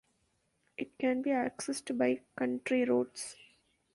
It can be accessed by country roads.